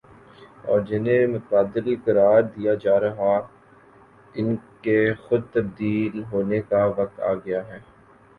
اور جنہیں متبادل قرار دیا جا رہا ان کے خود تبدیل ہونے کا وقت آ گیا ہے ۔